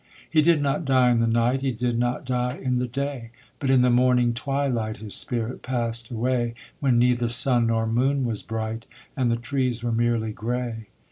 He did not die in the night, He did not die in the day, But in the morning twilight His spirit pass'd away, When neither sun nor moon was bright, And the trees were merely grey.